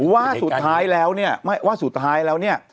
ว่าสุดท้ายแล้วเนี่ย